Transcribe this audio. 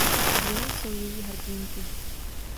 Ženy jsou její hrdinky.